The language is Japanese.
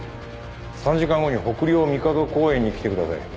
３時間後に北嶺水門公園に来てください。